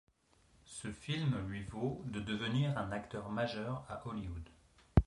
Ce film lui vaut de devenir un acteur majeur à Hollywood.